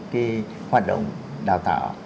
cái hoạt động đào tạo